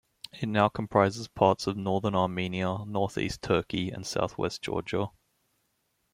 It now comprises parts of northern Armenia, northeast Turkey, and southwest Georgia.